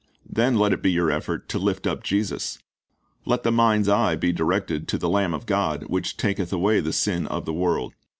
Then let it be your effort to lift up Jesus. Let the mind's eye be directed to "the Lamb of God, which taketh away the sin of the world.""